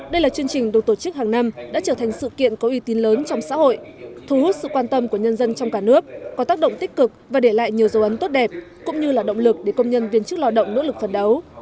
đây là chương trình được tổ chức hàng năm đã trở thành sự kiện có uy tín lớn trong xã hội thu hút sự quan tâm của nhân dân trong cả nước có tác động tích cực và để lại nhiều dấu ấn tốt đẹp cũng như là động lực để công nhân viên chức lao động nỗ lực phấn đấu